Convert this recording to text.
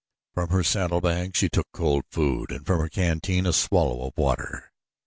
From her saddlebags she took cold food and from her canteen a swallow of water.